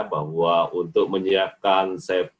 bahwa untuk menyiapkan